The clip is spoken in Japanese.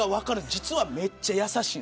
実はめっちゃ優しい。